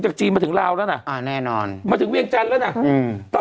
จีนมาถึงลาวแล้วน่ะอ่าแน่นอนมาถึงเวียงจันทร์แล้วน่ะอืมตอน